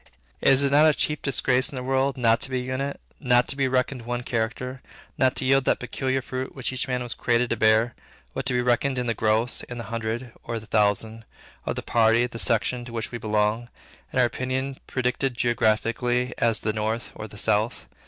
Is it not the chief disgrace in the world, not to be an unit; not to be reckoned one character; not to yield that peculiar fruit which each man was created to bear, but to be reckoned in the gross, in the hundred, or the thousand, of the party, the section, to which we belong; and our opinion predicted geographically, as the north, or the south?